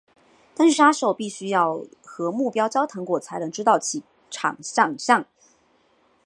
但是杀手必须要和目标交谈过才能知道其长相。